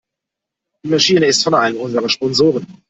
Die Maschine ist von einem unserer Sponsoren.